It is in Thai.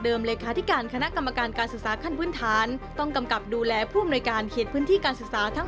โดยรัฐมนตรีว่าการกระทรวงศึกษาธิการจะกำกับดูแลสำนักงานศึกษาธิการภาค๑๘แห่ง